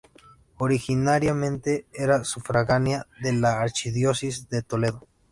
Originariamente era sufragánea de la archidiócesis de Toledo.